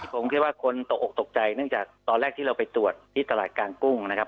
ผมคิดว่าคนตกออกตกใจเนื่องจากตอนแรกที่เราไปตรวจที่ตลาดกลางกุ้งนะครับ